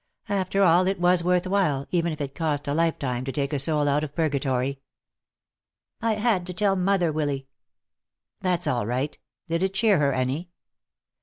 After all, it was worth while, even if it cost a lifetime, to take a soul out of purgatory. "I had to tell mother, Willy." "That's all right Did it cheer her any?"